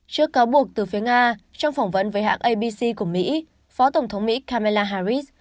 trước cáo buộc từ phía nga trong phỏng vấn với hãng abc của mỹ phó tổng thống mỹ kamaella harris